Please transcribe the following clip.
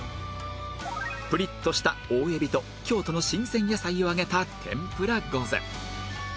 プリッとした大海老と京都の新鮮野菜を揚げた天ぷら御膳